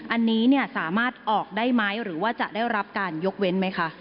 อันนี้สามารถออกได้ไหมหรือว่าจะได้รับการยกเว้นไหมคะ